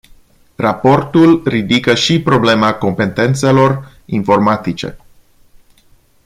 Raportul ridică și problema competențelor informatice.